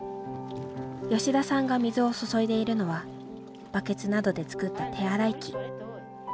吉田さんが水を注いでいるのはバケツなどで作った手洗い器。